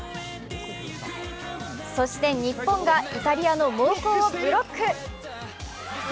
そして日本がイタリアの猛攻をブロック。